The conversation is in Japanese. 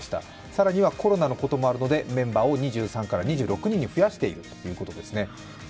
更には、コロナのこともあるので、メンバーを２３から２６に増やしているということです。